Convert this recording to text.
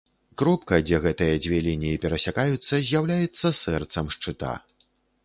Кропка, дзе гэтыя дзве лініі перасякаюцца, з'яўляецца сэрцам шчыта.